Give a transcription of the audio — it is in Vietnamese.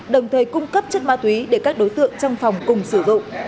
đồng thời cung cấp chất ma túy để các đối tượng trong phòng cùng sử dụng